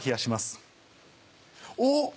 おっ！